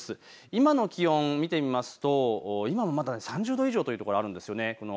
今の気温を見てみますと今もまだ３０度以上というところがあるんです。